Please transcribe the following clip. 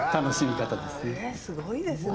すごいですね。